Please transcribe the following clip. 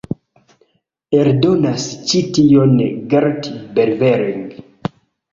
Eldonas ĉi tion Gerrit Berveling.